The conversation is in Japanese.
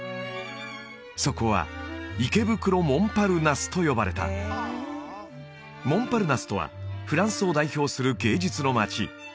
そこは池袋モンパルナスと呼ばれたモンパルナスとはフランスを代表する芸術の街